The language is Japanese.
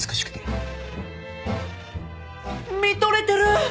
見とれてる！